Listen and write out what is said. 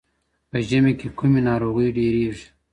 په ژمي کي کومي ناروغۍ ډیریږي؟